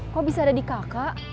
kok bisa ada di kakak